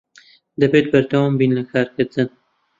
دەبێت بەردەوام بین لە کارکردن.